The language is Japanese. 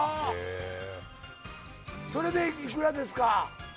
それでいくらですか？